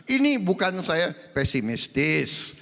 ini bukan saya pesimistis